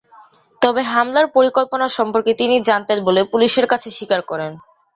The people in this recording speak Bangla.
তবে হামলার পরিকল্পনা সম্পর্কে তিনি জানতেন বলে পুলিশের কাছে স্বীকার করেন।